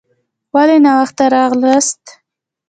ولي ناوخته راغلاست؟